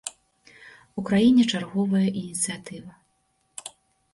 У краіне чарговая ініцыятыва.